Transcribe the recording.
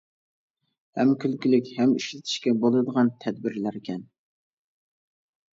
ھەم كۈلكىلىك ھەم ئىشلىتىشكە بولىدىغان تەدبىرلەركەن.